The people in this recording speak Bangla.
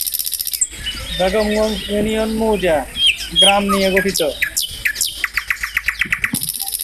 বেগমগঞ্জ ইউনিয়ন মৌজা/গ্রাম নিয়ে গঠিত।